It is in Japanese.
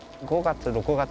５月、